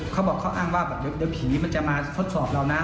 เขาอ้างว่าเดี๋ยวผีมันจะมาสดสอบเรานะ